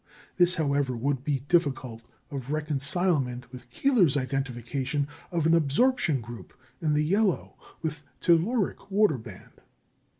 This, however, would be difficult of reconcilement with Keeler's identification of an absorption group in the yellow with a telluric waterband.